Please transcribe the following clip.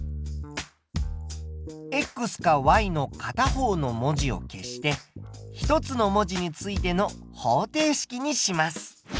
かの片方の文字を消して一つの文字についての方程式にします。